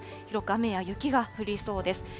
広く雨や雪が降りそうです。